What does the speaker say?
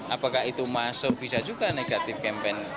apakah itu masuk bisa juga negatif campaign